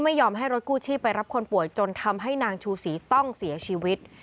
ไม่ยอมให้รถกู้ชีพไปรับคนป่วยจนทำให้นางชูศรีต้องเสียชีวิต